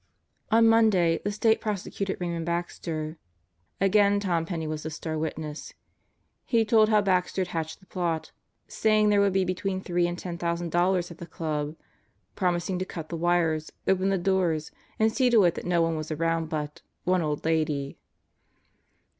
On Monday, the State prosecuted Raymond Baxter. Again Tom Penney was the star witness. He told how Baxter had hatched the plot, saying there would be between three and ten thousand dollars at the Club; promising to cut the wires, open the doors, and see to it that no one was around but "one old lady."